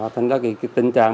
thành có cái tình trạng